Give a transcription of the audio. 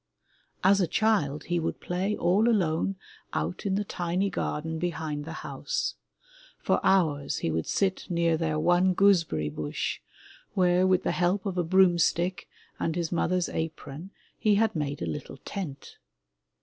As a child he would play all alone out in the tiny garden be hind the house. For hours he would sit near their one gooseberry bush where, with the help of a broomstick and his mother's apron, he had made a little tent.